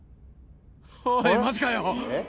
おいマジかよ。